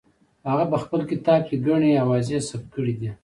هغه په خپل کتاب کې ګڼې اوازې ثبت کړې دي.